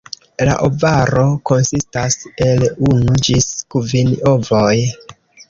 La ovaro konsistas el unu ĝis kvin ovoj.